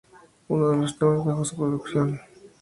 Uno de los temas bajo su producción es "High in the Clouds".